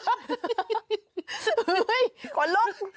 โอ๊ยขนลุก